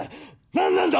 何なんだ？